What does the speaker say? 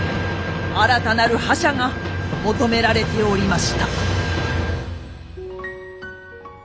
新たなる覇者が求められておりました。